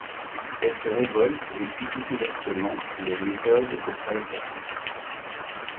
Elle se révolte et critique ouvertement les méthodes de Pfizer.